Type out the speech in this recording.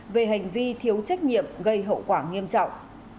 về hành vi thiếu trách nhiệm gây hậu quả nghiêm trọng